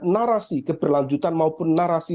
narasi keberlanjutan maupun narasi